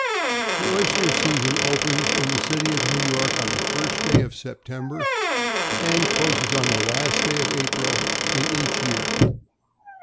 =The Oyster Season= opens in the city of New York on the first day of September, and closes on the last day of April in each year.